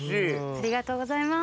ありがとうございます！